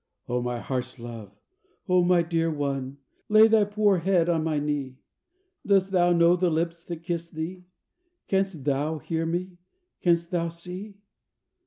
"O my heart's love, O my dear one! lay thy poor head on my knee; Dost thou know the lips that kiss thee? Cans't thou hear me? Cans't thou see?